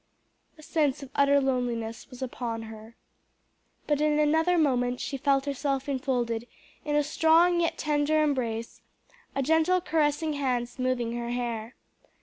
A sense of utter loneliness was upon her. But in another moment she felt herself enfolded in a strong yet tender embrace, a gentle caressing hand smoothing her hair.